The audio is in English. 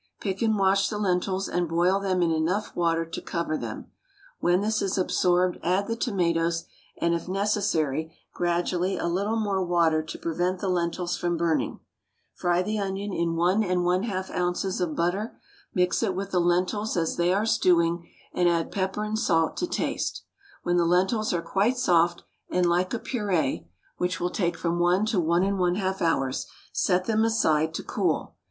Pick and wash the lentils, and boil them in enough water to cover them; when this is absorbed add the tomatoes, and if necessary gradually a little more water to prevent the lentils from burning. Fry the onion in 1 1/2 oz. of butter, mix it with the lentils as they are stewing, and add pepper and salt to taste. When the lentils are quite soft, and like a pureé (which will take from 1 to 1 1/2 hours), set them aside to cool.